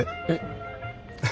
えっ。